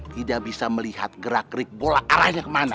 tidak bisa melihat gerak gerik bola arahnya kemana